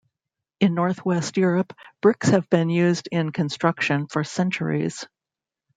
In Northwest Europe, bricks have been used in construction for centuries.